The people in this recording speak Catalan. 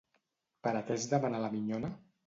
Per a què es demana la minyona?